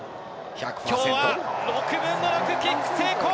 きょうは６分の６キック成功！